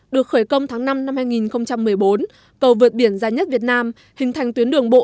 được khởi công tháng năm năm hai nghìn một mươi bốn cầu vượt biển dài nhất việt nam hình thành tuyến đường bộ